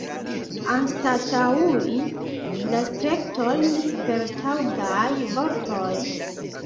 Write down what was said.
Anstataŭi la streketojn per taŭgaj vortoj.